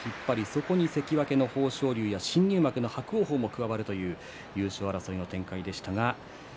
そこに関脇の豊昇龍や新入幕の伯桜鵬が加わるという展開でした。